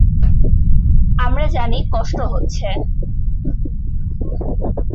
আমরা জানি কষ্ট হচ্ছে।